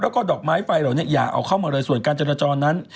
ถูกแล้วโดกไม้ไฟเข้ามาส่วนการจรจรนั้น